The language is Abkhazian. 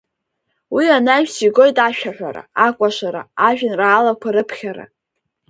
Уи анаҩс игоит ашәаҳәара, акәашара, ажәеинраалақәа раԥхьара.